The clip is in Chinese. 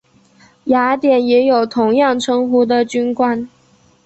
雅典也有同样称呼的军官。